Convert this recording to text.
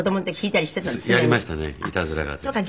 やりましたねいたずらがてら。